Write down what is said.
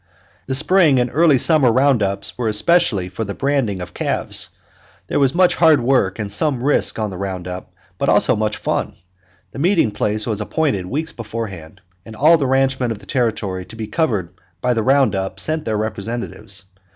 The spring and early summer round ups were especially for the branding of calves. There was much hard work and some risk on a round up, but also much fun. The meeting place was appointed weeks beforehand, and all the ranchmen of the territory to be covered by the round up sent their representatives.